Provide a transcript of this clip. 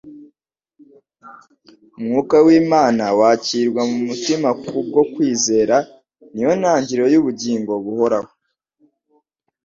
Umwuka w'Imana wakirwa mu mutima kubwo kwizera, ni yo ntangiriro y'ubugingo buhoraho.